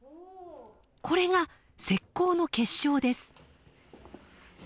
これが石こうの結晶です。